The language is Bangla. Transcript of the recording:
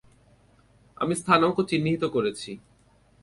আমি স্থানাঙ্ক চিহ্নিত করেছি।